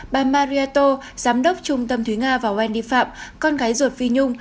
bà marietto giám đốc trung tâm thúy nga và wendy phạm con gái ruột phi nhung